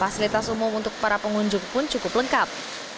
fasilitas umum untuk para pengunjung pun cukup lengkap